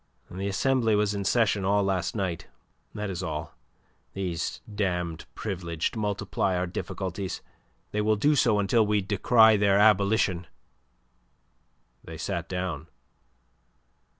"The Assembly was in session all last night. That is all. These damned Privileged multiply our difficulties. They will do so until we decree their abolition." They sat down.